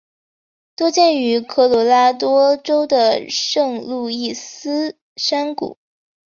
多见于科罗拉多州的圣路易斯山谷。